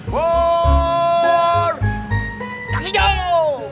bor yang hijau